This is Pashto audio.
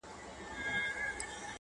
د غيږي د خوشبو وږم له مياشتو حيسيږي؛